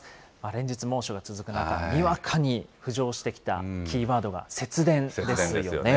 連日猛暑が続く中、にわかに浮上してきたキーワードが節電ですよね。